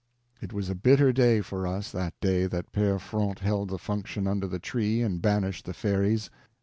It was a bitter day for us, that day that Pere Fronte held the function under the tree and banished the fairies.